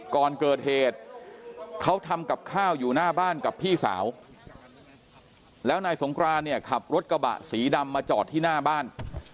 ก่อนเกิดเหตุเขาทำกับข้าวอยู่หน้าบ้านกับพี่สาวแล้วนายสงกรานเนี่ยขับรถกระบะสีดำมาจอดที่หน้าบ้าน